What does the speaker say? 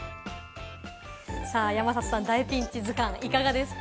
山里さん、『大ピンチずかん』、いかがですか？